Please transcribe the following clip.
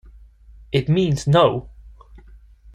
It means No!